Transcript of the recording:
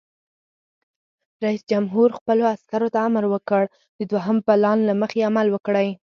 رئیس جمهور خپلو عسکرو ته امر وکړ؛ د دوهم پلان له مخې عمل وکړئ!